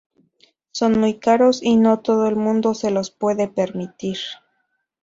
Son muy caros y no todo el mundo se los puede permitir.